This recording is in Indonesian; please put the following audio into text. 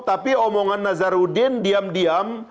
tapi omongan nazarudin diam diam